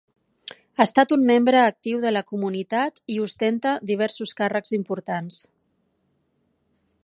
Ha estat un membre actiu de la comunitat i ostenta diversos càrrecs importants.